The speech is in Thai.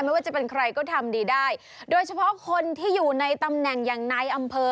ไม่ว่าจะเป็นใครก็ทำดีได้โดยเฉพาะคนที่อยู่ในตำแหน่งอย่างนายอำเภอ